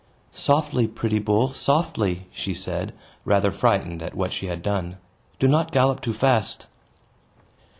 "Softly, pretty bull, softly!" she said, rather frightened at what she had done. "Do not gallop too fast."